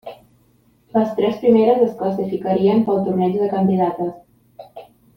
Les tres primeres es classificarien pel Torneig de Candidates.